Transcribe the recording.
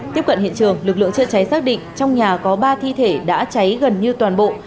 tiếp cận hiện trường lực lượng chữa cháy xác định trong nhà có ba thi thể đã cháy gần như toàn bộ